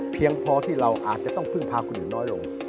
เพียงพอที่เราอาจจะต้องพึ่งพาคนอื่นน้อยลง